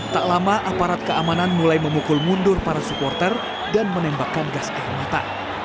tak lama aparat keamanan mulai memukul mundur para supporter dan menembakkan gas air mata